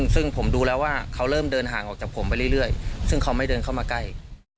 ซึ่งผมดูแล้วว่าเขาเริ่มเดินห่างออกจากผมไปเรื่อยซึ่งเขาไม่เดินเข้ามาใกล้